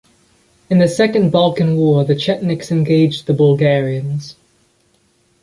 In the Second Balkan War the Chetniks engaged the Bulgarians.